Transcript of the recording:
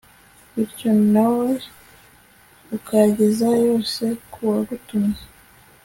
bityo nawe ukayageza yose ku wagutumye